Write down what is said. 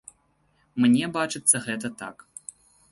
Мне бачыцца гэта так.